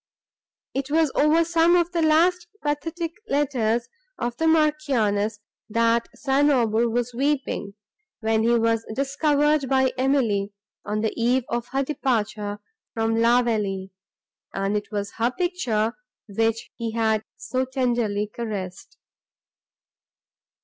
It was over some of the last pathetic letters of the Marchioness, that St. Aubert was weeping, when he was observed by Emily, on the eve of her departure from La Vallée, and it was her picture, which he had so tenderly caressed.